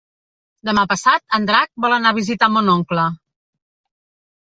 Demà passat en Drac vol anar a visitar mon oncle.